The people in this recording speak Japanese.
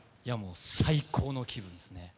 最高の気分ですね。